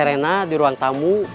sarena di ruang tamu